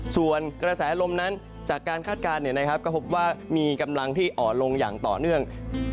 ส่วนกระแสลมนั้นจากการคาดการณ์ก็พบว่ามีกำลังที่อ่อนลงอย่างต่อเนื่อง